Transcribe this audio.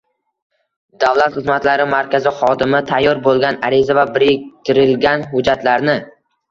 - Davlat xizmatlari markazi xodimi tayyor bo‘lgan ariza va biriktirilgan hujjatlarni